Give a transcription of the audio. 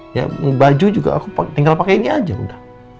ya baju juga aku tinggal pakai ini aja udah